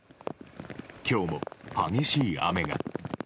今日も激しい雨が。